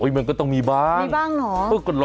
มันก็ต้องมีบ้างมีบ้างเหรอ